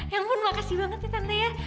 ya ampun makasih banget ya tante ya